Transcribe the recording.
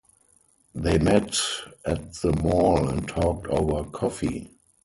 They met at the mall and talked over coffee.